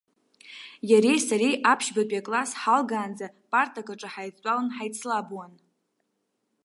Иареи сареи аԥшьбатәи акласс ҳалгаанӡа партак аҿы ҳаидтәалан, ҳаицлабуан.